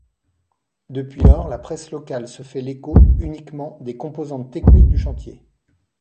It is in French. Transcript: Depuis lors, la presse locale se fait l'écho uniquement des composantes techniques du chantier.